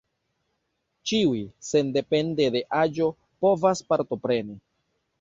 Ĉiuj, sendepende de aĝo, povas partopreni.